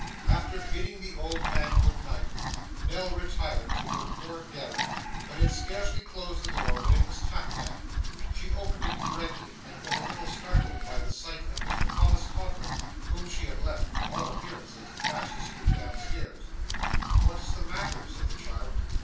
After bidding the old man good night, Nell retired to her poor garret, but had scarcely closed the door, when it was gently tapped at. She opened it directly, and was a little startled by the sight of Mr Thomas Codlin, whom she had left, to all appearance, fast asleep down stairs. 'What is the matter?' said the child.